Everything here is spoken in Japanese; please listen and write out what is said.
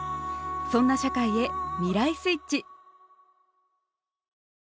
そんな社会へ「未来スイッチ」。